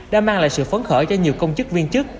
đã mang lại sự phấn khởi cho nhiều công chức viên chức